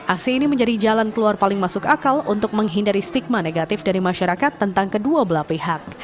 aksi ini menjadi jalan keluar paling masuk akal untuk menghindari stigma negatif dari masyarakat tentang kedua belah pihak